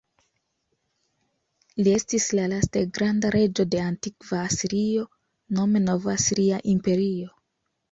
Li estis la laste granda reĝo de antikva Asirio, nome Nov-Asiria Imperio.